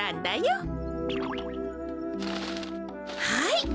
はい！